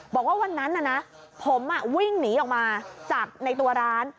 บอกว่าวันนั้นน่ะนะผมวิ่งหนีออกมาจากในตัวร้าน